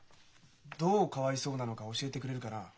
どうかわいそうなのか教えてくれるかな？